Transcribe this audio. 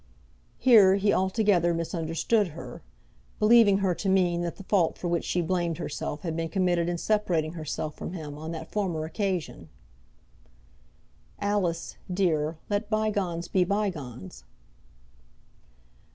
Here he altogether misunderstood her, believing her to mean that the fault for which she blamed herself had been committed in separating herself from him on that former occasion. "Alice, dear, let bygones be bygones."